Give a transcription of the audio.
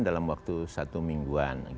dalam waktu satu mingguan